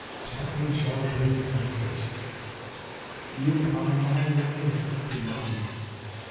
Time shall bring comfort." "You are my life, beloved.